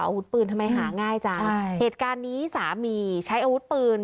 อาวุธปืนทำไมหาง่ายจังใช่เหตุการณ์นี้สามีใช้อาวุธปืน